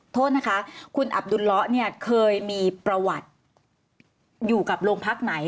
โทษนะคะคุณอับดุลเลาะเนี่ยเคยมีประวัติอยู่กับโรงพักไหน